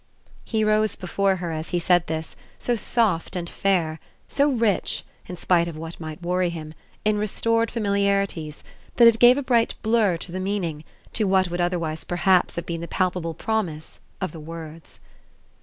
He rose before her, as he said this, so soft and fair, so rich, in spite of what might worry him, in restored familiarities, that it gave a bright blur to the meaning to what would otherwise perhaps have been the palpable promise of the words.